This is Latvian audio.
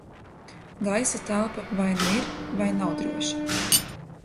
Gaisa telpa vai nu ir, vai nav droša.